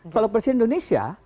kalau presiden indonesia